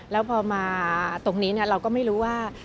แล้วพอมาตรงนี้เราก็ไม่รู้ว่า